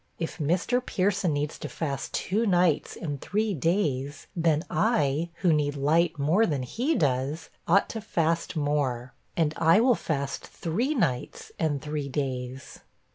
If Mr. Pierson needs to fast two nights and three days, then I, who need light more than he does, ought to fast more, and I will fast three nights and three days.'